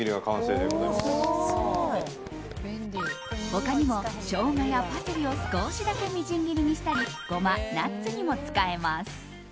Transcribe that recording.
他にもショウガやパセリを少しだけみじん切りにしたりゴマ、ナッツにも使えます。